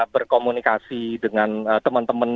berkomunikasi dengan teman teman